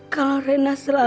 kalau reina selamat